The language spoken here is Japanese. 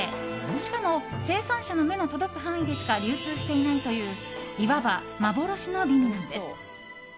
しかも、生産者の目の届く範囲でしか流通していないといういわば、幻の美味なんです。